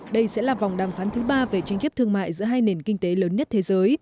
đây sẽ là vòng đàm phán thứ ba về tranh chấp thương mại giữa hai nền kinh tế lớn nhất thế giới